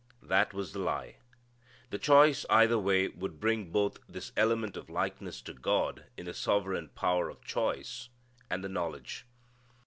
That was the lie. The choice either way would bring both this element of likeness to God in the sovereign power of choice, and the knowledge.